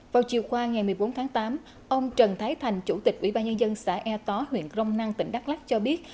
vào chiều qua ngày một mươi bốn tháng tám ông trần thái thành chủ tịch ủy ban nhân dân xã e tó huyện grong năng tỉnh đắk lắc cho biết